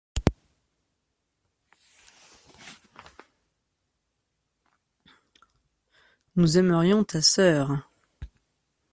Nous aimerions ta sœur.